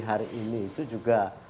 hari ini itu juga